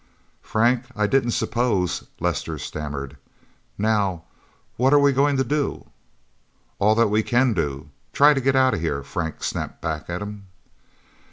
"Frank I didn't suppose " Lester stammered. "Now what are we going to do?" "All that we can do try to get out of here!" Frank snapped back at him.